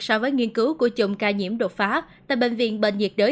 so với nghiên cứu của chùm ca nhiễm đột phá tại bệnh viện bệnh nhiệt đới